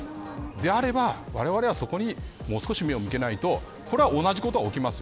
であれば、われわれはそこにもう少し目を向けないとこれは、同じことが起きます。